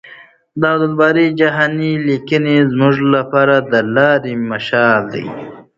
د عبدالباري جهاني لیکنې زموږ لپاره د لارې مشال دي.